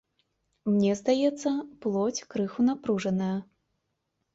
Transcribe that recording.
Мне здаецца, плоць крыху напружаная.